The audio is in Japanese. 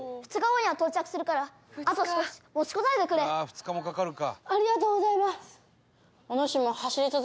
「２日もかかるか」